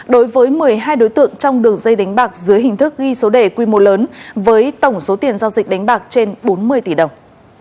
đối với một mươi hai đối tượng trong đường dây đánh bạc dưới hình thức ghi số đề quy mô lớn với tổng số tiền giao dịch đánh bạc trên bốn mươi tỷ đồng